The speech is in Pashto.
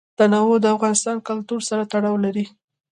تنوع د افغان کلتور سره تړاو لري.